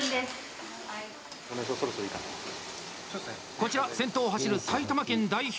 こちら先頭を走る埼玉県代表。